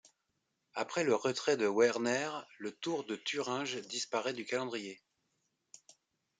Après le retrait de Werner, le Tour de Thuringe disparaît du calendrier.